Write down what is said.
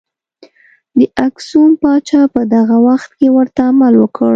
د اکسوم پاچا په دغه وخت کې ورته عمل وکړ.